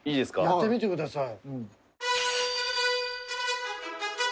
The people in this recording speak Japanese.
やってみてください。